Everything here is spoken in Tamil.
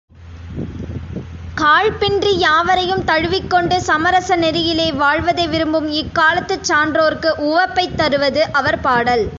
காழ்ப்பின்றி யாவரையும் தழுவிக் கொண்டு சமரச நெறியிலே வாழ்வதை விரும்பும் இக்காலத்துச் சான்றோர்க்கு உவப்பைத் தருவது அவர் பாடல்.